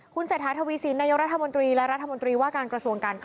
เศรษฐาทวีสินนายกรัฐมนตรีและรัฐมนตรีว่าการกระทรวงการ